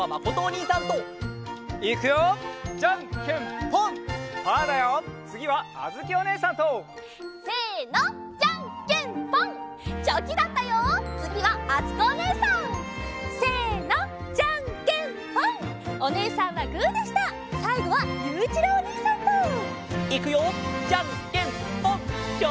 いくよじゃんけんぽん！